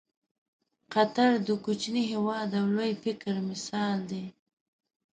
قطر د کوچني هېواد او لوی فکر مثال دی.